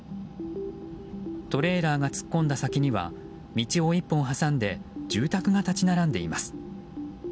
トレーラーが突っ込んだ先には道を１本挟んで住宅が立ち並んでいます。